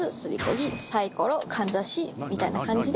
みたいな感じで。